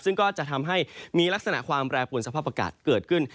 ซึ่งก็จะทำให้มีลักษณะความแปรปวนสภาพอากาศเกิดขึ้น